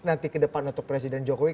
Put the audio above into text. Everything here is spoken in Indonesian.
nanti ke depan untuk presiden jokowi